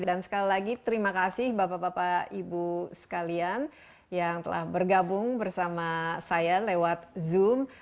dan sekali lagi terima kasih bapak bapak ibu sekalian yang telah bergabung bersama saya lewat zoom